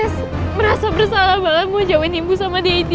bahkan saya merasa bersalah banget mau jauhin ibu sama daddy